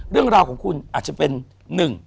เรื่องราวของคุณอาจจะเป็นหนึ่ง